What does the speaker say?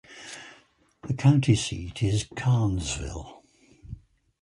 The county seat is Carnesville.